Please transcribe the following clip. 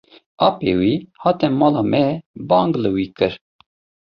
Apê wî hate mala me bang li wî kir.